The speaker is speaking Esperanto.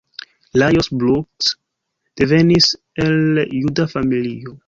Lajos Bruck devenis el juda familio.